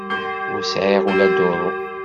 Ur sɛiɣ ula duru.